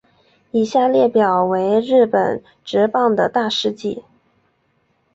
以下列表为日本职棒的大事纪。